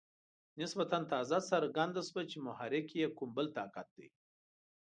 نسبتاً تازه څرګنده شوه چې محرک یې کوم بل طاقت دی.